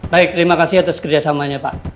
baik terima kasih atas kerjasamanya pak